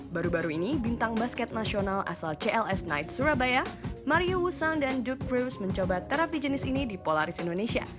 baru baru ini bintang basket nasional asal cls knights surabaya mario wusang dan duk prius mencoba terapi jenis ini di polaris indonesia